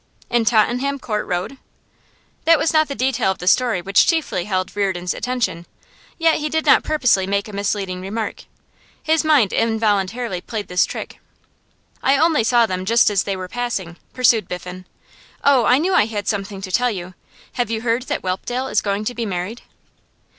'In Tottenham Court Road?' That was not the detail of the story which chiefly held Reardon's attention, yet he did not purposely make a misleading remark. His mind involuntarily played this trick. 'I only saw them just as they were passing,' pursued Biffen. 'Oh, I knew I had something to tell you! Have you heard that Whelpdale is going to be married?